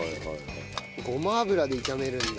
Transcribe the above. ごま油で炒めるんだ。